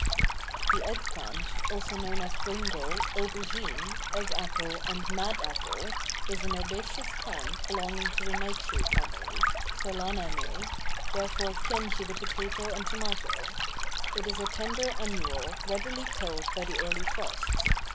The Egg plant, also known as bringal, aubergine, egg apple and mad apple, is an herbaceous plant belonging to the Nightshade family (Solananæ), therefore kin to the potato and tomato. It is a tender annual, readily killed by the early frosts.